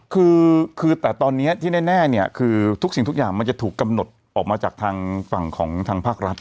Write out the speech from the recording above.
คือคือแต่ตอนนี้ที่แน่เนี่ยคือทุกสิ่งทุกอย่างมันจะถูกกำหนดออกมาจากทางฝั่งของทางภาครัฐ